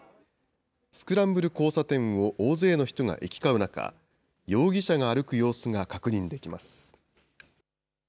スクランブル交差点を大勢の人が行き交う中、容疑者が歩く様子が確認できます。